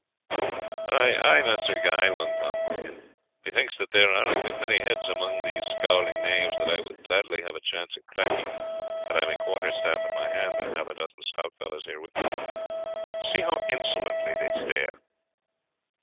"Ay, ay, Master Guy," Long Tom broke in, "methinks that there are a good many heads among these scowling knaves that I would gladly have a chance of cracking had I my quarter staff in my hand and half a dozen stout fellows here with me. See how insolently they stare!"